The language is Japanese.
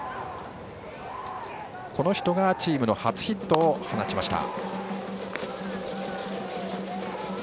この人がチームの初ヒットを放ちました。